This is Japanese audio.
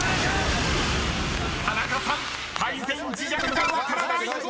［田中さん「タイゼン自若」が分からない！］